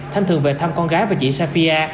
thanh thường về thăm con gái và chị safia